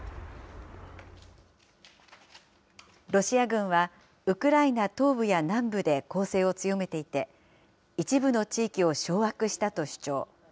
ロシア軍は、ウクライナ東部や南部で攻勢を強めていて、一部の地域を掌握したと主張。